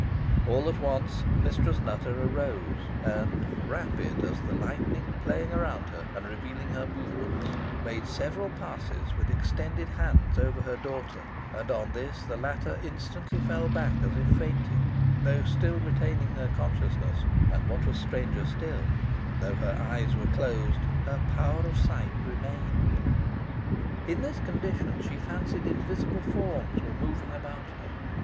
All at once Mistress Nutter arose, and, rapid as the lightning playing around her and revealing her movements, made several passes, with extended hands, over her daughter; and on this the latter instantly fell back, as if fainting, though still retaining her consciousness; and, what was stranger still, though her eyes were closed, her power of sight remained. In this condition she fancied invisible forms were moving about her.